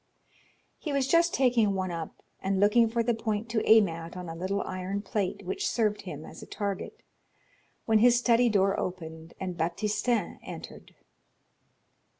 He was just taking one up and looking for the point to aim at on a little iron plate which served him as a target, when his study door opened, and Baptistin entered.